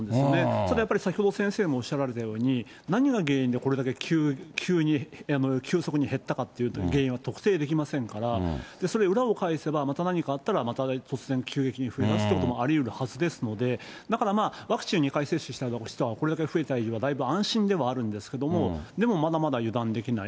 ただやっぱり先ほど、先生もおっしゃられたように、何が原因でこれだけ急速に減ったかという原因は特定できませんから、それ、裏を返せば、また何かあったら、また突然、急激に増えだすということもありうるはずですので、だからまあ、ワクチンを２回接種した人がこれだけ増えた今はだいぶ安心ではあるんですけれども、でもまだまだ油断できない。